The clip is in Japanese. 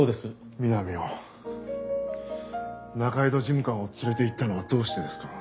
みなみを仲井戸事務官を連れていったのはどうしてですか？